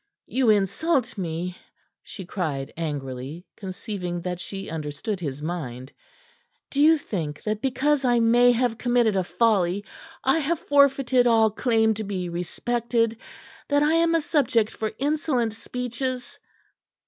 "You insult me!" she cried angrily, conceiving that she understood his mind. "Do you think that because I may have committed a folly I have forfeited all claim to be respected that I am a subject for insolent speeches?"